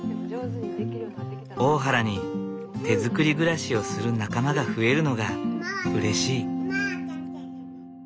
大原に手づくり暮らしをする仲間が増えるのがうれしい。